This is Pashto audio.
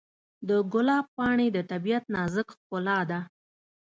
د ګلاب پاڼې د طبیعت نازک ښکلا ده.